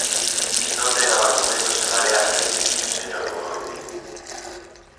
Non ten argumentos e marea a perdiz, señor Godoi.